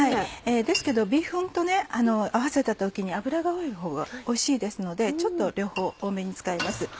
ですけどビーフンと合わせた時に油が多いほうがおいしいですのでちょっと両方多めに使います。